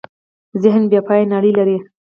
ذهن بېپایه نړۍ لري.